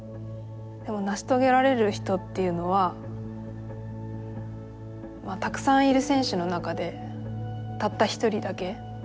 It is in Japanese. でも成し遂げられる人っていうのはたくさんいる選手の中でたった一人だけ。